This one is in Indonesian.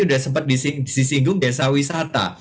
sudah sempat disinggung desa wisata